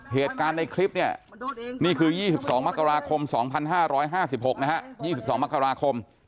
เหตุการณ์ในคลิปเนี่ยนี่คือ๒๒มกราคม๒๕๕๖นะฮะ๒๒มกราคม